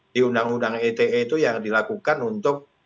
di undang undang ite itu yang dilakukan untuk